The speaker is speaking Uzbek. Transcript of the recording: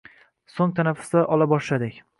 So‘ng tanaffuslar ola boshladik